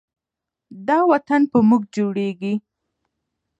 دا وطن په موږ جوړیږي.